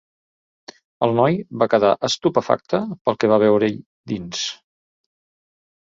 El noi va quedar estupefacte pel que va veure-hi dins.